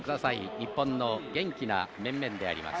日本の元気な面々であります。